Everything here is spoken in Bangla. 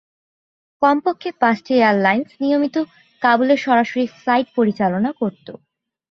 কমপক্ষে পাঁচটি এয়ারলাইনস নিয়মিত কাবুলে সরাসরি ফ্লাইট পরিচালনা করত।